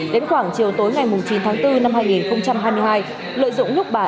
đến khoảng chiều tối ngày chín tháng bốn năm hai nghìn hai mươi hai lợi dụng lúc bà